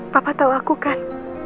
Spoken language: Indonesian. papa tau aku kan